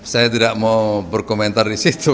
saya tidak mau berkomentar di situ